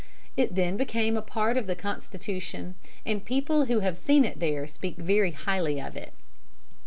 It then became a part of the Constitution, and people who have seen it there speak very highly of it.